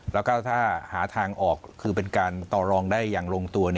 แล้วก็ถ้าหาทางออกคือเป็นการต่อรองได้อย่างลงตัว